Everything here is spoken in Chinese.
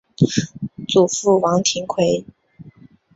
祖父王庭槐。